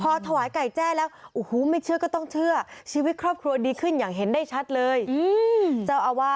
ทอตฐ้ายไก่แจ้แล้วทอตฐ้ายแจ้แล้ว